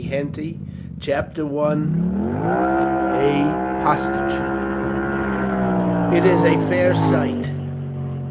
Henty CHAPTER I: A HOSTAGE "It is a fair sight."